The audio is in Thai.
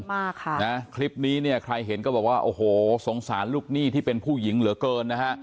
มากค่ะนะคลิปนี้เนี่ยใครเห็นก็บอกว่าโอ้โหสงสารลูกหนี้ที่เป็นผู้หญิงเหลือเกินนะฮะ